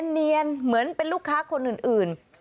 เนียนเหมือนเป็นลูกค้าคนอื่น